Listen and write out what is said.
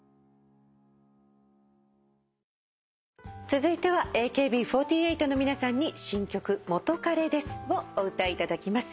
続いてはＡＫＢ４８の皆さんに新曲『元カレです』をお歌いいただきます。